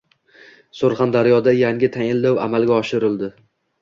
Surxondaryoda yangi tayinlov amalga oshirildi